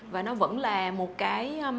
và nó vẫn là một cái